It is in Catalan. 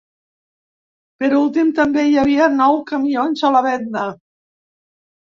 Per últim, també hi havia nou camions a la venda.